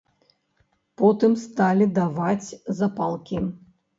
Потым сталі даваць запалкі.